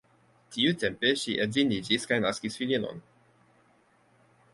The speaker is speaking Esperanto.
Tiutempe ŝi edziniĝis kaj naskis filinon.